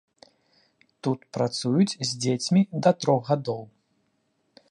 Тут працуюць з дзецьмі да трох гадоў.